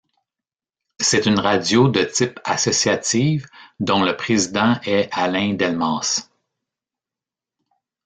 C'est une radio de type associative, dont le Président est Alain Delmas.